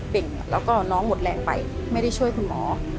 ่งแล้วก็น้องหมดแรงไปไม่ได้ช่วยคุณหมอ